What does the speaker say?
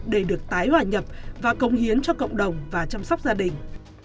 để được tái hòa nhập và công hiến cho cộng đồng và chăm sóc gia đình